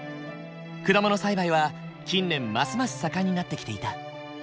果物栽培は近年ますます盛んになってきていた。